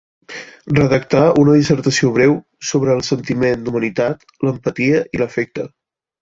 Redacta una dissertació breu sobre el sentiment d'humanitat, l'empatia i l'afecte.